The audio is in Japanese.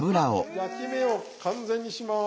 焼き目を完全にします。